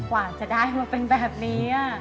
กว่าจะได้มาเป็นแบบนี้